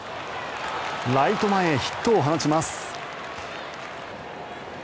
ライト前へヒットを放ちます。